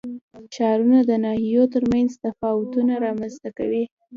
ښارونه د ناحیو ترمنځ تفاوتونه رامنځ ته کوي.